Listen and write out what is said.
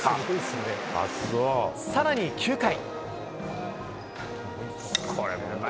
さらに、９回。